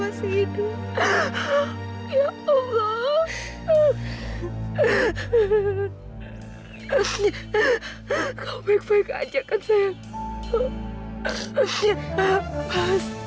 hai hehehe kau baik baik aja kan saya